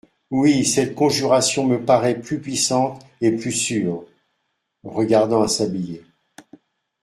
Oui ! cette conjuration me parait plus puissante et plus sûre. — Regardant un sablier .